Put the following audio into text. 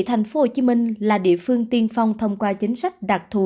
thành phố hồ chí minh là địa phương tiên phong thông qua chính sách đặc thù